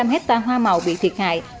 bảy mươi năm hectare hoa màu bị thiệt hại